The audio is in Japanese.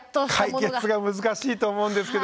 解決が難しいと思うんですけども。